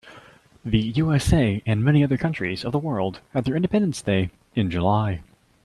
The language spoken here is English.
The USA and many other countries of the world have their independence day in July.